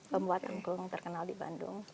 pembuat angklung terkenal di indonesia